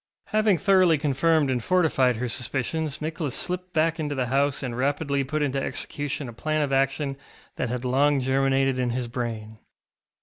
Having thoroughly confirmed and fortified her suspicions Nicholas slipped back into the house and rapidly put into execution a plan of action that had long germinated in his brain.